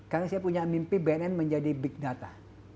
karena saya punya mimpi bnn menjadi big data